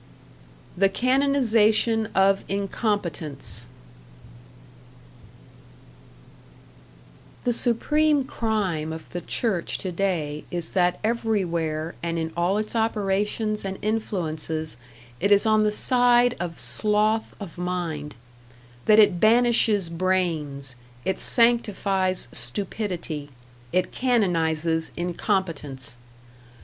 #The Canonization of Incompetence# The supreme crime of the church to day is that everywhere and in all its operations and influences it is on the side of sloth of mind; that it banishes brains, it sanctifies stupidity, it canonizes incompetence.